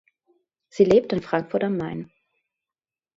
Sie lebt in Frankfurt am Main.